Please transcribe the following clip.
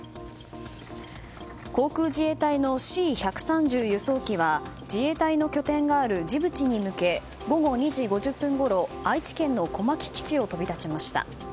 航空自衛隊のＣ１３０輸送機は自衛隊の拠点があるジブチに向け午後２時５０分ごろ愛知県の小牧基地を飛び立ちました。